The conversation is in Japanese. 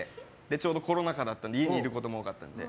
ちょうどコロナ禍だったので家にいることも多かったので。